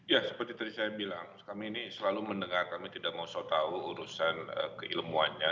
ya seperti tadi saya bilang kami ini selalu mendengar kami tidak mau tahu urusan keilmuannya